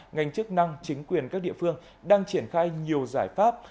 ngành chức năng chính quyền các địa phương đang triển khai nhiều giải pháp